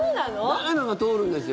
誰もが通るんですよ。